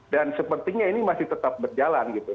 dan sepertinya ini masih tetap berjalan gitu